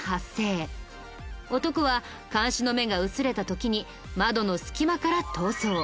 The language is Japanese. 男は監視の目が薄れた時に窓の隙間から逃走。